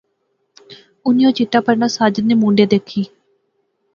انی او چٹا پرنا ساجد نے مونڈھے دیکھی